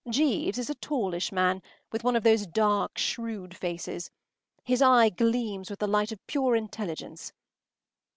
Jeeves is a tallish man, with one of those dark, shrewd faces. His eye gleams with the light of pure intelligence.